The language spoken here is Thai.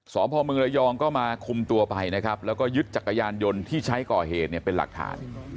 สอบพ่อเมืองระยองก็มาคุมตัวไปนะครับแล้วก็ยึดจักรยานยนต์ที่ใช้ก่อเหตุเนี่ยเป็นหลักฐาน